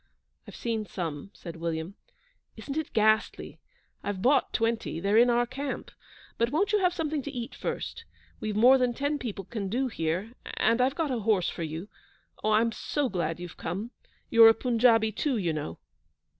'I've seen some,' said William. 'Isn't it ghastly? I've bought twenty; they're in our camp; but won't you have something to eat first? We've more than ten people can do here; and I've got a horse for you. Oh, I'm so glad you've come! You're a Punjabi too, you know.'